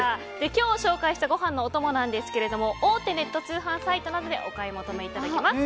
今日、紹介したご飯のお供は大手ネット通販サイトなどでお買い求めいただけます。